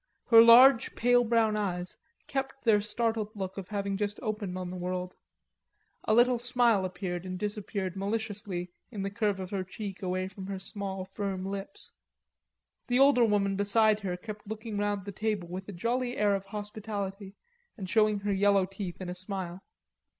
Her large pale brown eyes kept their startled look of having just opened on the world; a little smile appeared and disappeared maliciously in the curve of her cheek away from her small firm lips. The older woman beside her kept looking round the table with a jolly air of hospitality, and showing her yellow teeth in a smile.